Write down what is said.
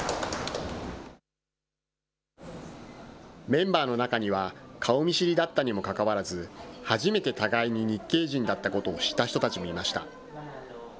メンバーの中には、顔見知りだったにもかかわらず、始めて互いに日系人だったことを知った人たちもいました。